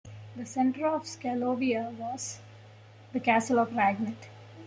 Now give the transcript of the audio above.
The center of Scalovia was the castle of Ragnit.